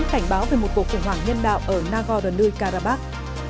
cảnh báo về một cuộc khủng hoảng nhân đạo ở nagorno karabakh